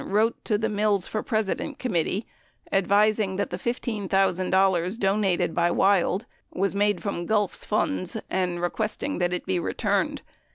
wrote to the Mills for President Committee advising that the $15,000 donated by Wild "was made from Gulf's funds" and requesting that it be returned.